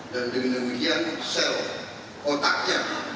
dan demikian sel otaknya